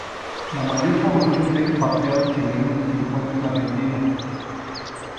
La mayor población de expatriados chilenos se encuentra en Argentina.